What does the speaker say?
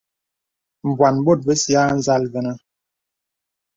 Mbwàn bòt basɔlɔ̀m a nzàl vənə.